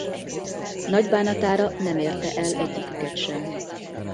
Nagy bánatára nem érte el egyiküket sem.